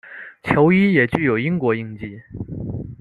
球衣也具有英国印记。